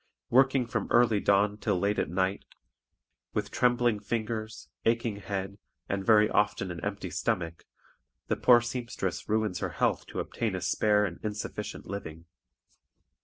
Working from early dawn till late at night, with trembling fingers, aching head, and very often an empty stomach, the poor seamstress ruins her health to obtain a spare and insufficient living.